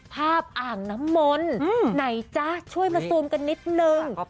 อ่างน้ำมนต์ไหนจ๊ะช่วยมาซูมกันนิดนึง